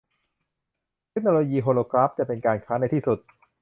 เทคโนโลยีโฮโลกราฟจะเป็นการค้าในที่สุด